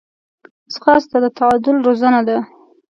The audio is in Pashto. ځغاسته د تعادل روزنه ده